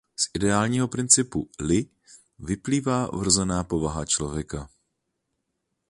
Z ideálního principu "li" vyplývá vrozená povaha člověka.